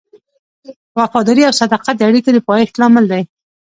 وفاداري او صداقت د اړیکو د پایښت لامل دی.